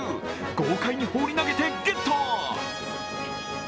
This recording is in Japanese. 豪快に放り投げてゲット！